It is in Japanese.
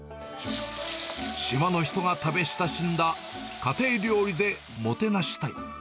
島の人が食べ親しんだ家庭料理でもてなしたい。